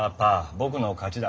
僕の勝ちだ。